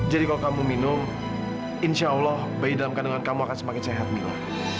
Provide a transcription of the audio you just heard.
jadi kalau kamu minum insya allah bayi dalam kandungan kamu akan semakin sehat mila